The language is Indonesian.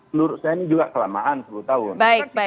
menurut saya ini juga kelamaan sepuluh tahun